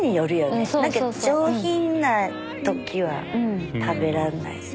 なんか上品なときは食べらんないし。